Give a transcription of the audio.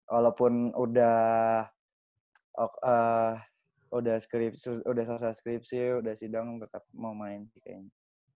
walaupun udah selesai skripsi udah sidang tetep mau main kayaknya